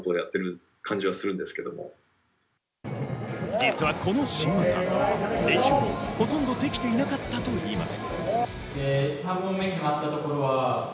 実はこの新技、練習もほとんどできていなかったといいます。